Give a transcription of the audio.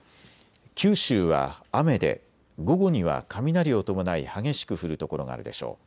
九州は雨で午後には雷を伴い激しく降る所があるでしょう。